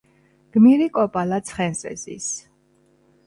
გმირი კოპალა ცხენზე ზის,